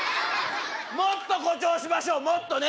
もっと誇張しましょうもっとね。